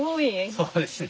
そうですね。